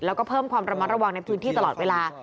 แล้วก็เพิ่มความระมัดระวังในพื้นที่ตลอดเวลา